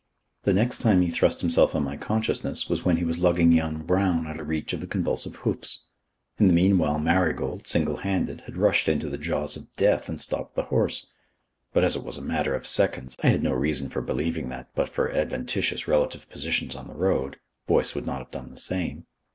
The next time he thrust himself on my consciousness was when he was lugging young Brown out of reach of the convulsive hoofs. In the meanwhile Marigold, single handed, had rushed into the jaws of death and stopped the horse. But as it was a matter of seconds, I had no reason for believing that, but for adventitious relative positions on the road, Boyce would not have done the same....